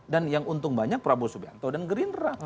dan yang untung banyak prabowo subianto dan gerindra